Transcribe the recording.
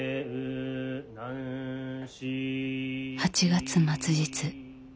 ８月末日。